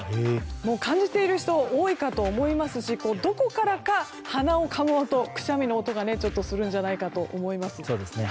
感じている人多いかと思いますしどこからか鼻をかむ音くしゃみの音がちょっとするんじゃないかと思います。